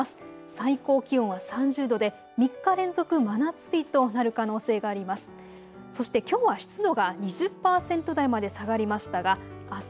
最高気温は３０度で３日連続真夏日となる可能性があります。